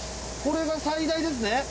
これが最大ですね？